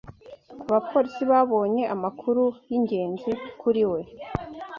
Abapolisi babonye amakuru yingenzi kuri we.